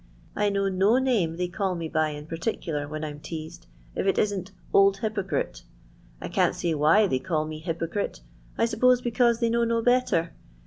I know no name they call me by in particular when I 'm teased, if it isn't ' Old Hypocrite.' I can 't say why they call me ' hypocrite.' I suppose because they know no better.